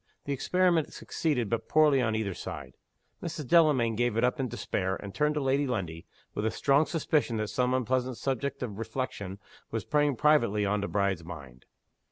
The experiment succeeded but poorly on either side. Mrs. Delamayn gave it up in despair, and turned to Lady Lundie, with a strong suspicion that some unpleasant subject of reflection was preying privately on the bride's mind.